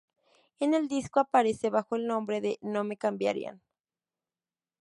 En el disco aparece bajo el nombre de "No me cambiarán".